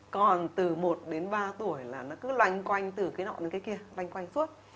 còn từ một đến ba tuổi là nó cứ loanh quanh từ cái nọ đến cái kia lanh quanh suốt